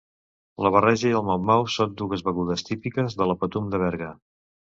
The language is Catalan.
La barreja i el mau-mau són dues begudes típiques de la Patum de Berga.